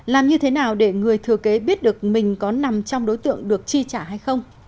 làm như thế nào để người thừa kế biết được mình có nằm trong đối tượng được chi trả hay không